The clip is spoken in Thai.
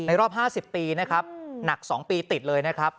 รอบ๕๐ปีนะครับหนัก๒ปีติดเลยนะครับ